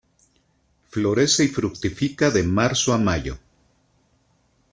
Florece y fructifica de marzo a mayo.